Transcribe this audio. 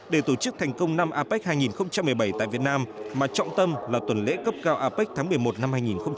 để tổ chức thành công năm apec hai nghìn một mươi bảy tại việt nam mà trọng tâm là tuần lễ cấp cao apec tháng một mươi một năm hai nghìn một mươi chín